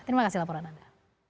terima kasih laporan anda